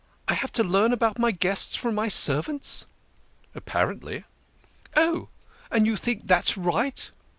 I have to learn about my guests from my servants." " Apparently." " Oh ! and you think that's right